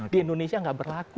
di indonesia nggak berlaku